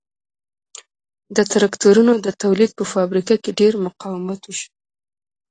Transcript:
د ترکتورونو د تولید په فابریکه کې ډېر مقاومت وشو